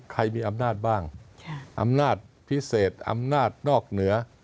ใครมีอำนาจบ้างอำนาจพิเศษอำนาจนอกเหนือ